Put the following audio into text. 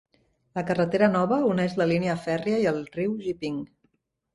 La carretera nova uneix la línia fèrria i el riu Gipping.